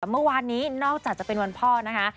เมื่อวานนี้นอกจากจะเป็นวันพ่อนะคะ